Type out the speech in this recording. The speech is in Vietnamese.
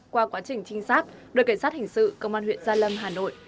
qua quá trình trinh sát đội cảnh sát hình sự công an huyện gia lâm hà nội